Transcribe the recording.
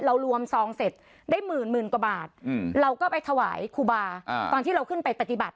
รวมซองเสร็จได้หมื่นหมื่นกว่าบาทเราก็ไปถวายครูบาตอนที่เราขึ้นไปปฏิบัติ